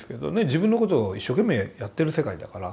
自分のことを一生懸命やってる世界だから。